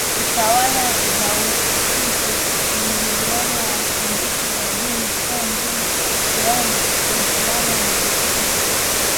Tawala za Kichifu muingiliano wa mafundisho ya Dini kuu mbili yaani Uislamu na Ukristo